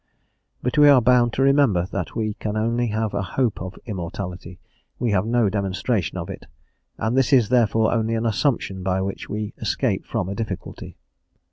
But we are bound to remember that we can only have a hope of immortality; we have no demonstration of it, and this is, therefore, only an assumption by which we escape from a difficulty.